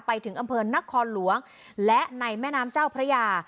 ไปถึงอำเภอนครหลวงและในแม่น้ำเจ้าพระยา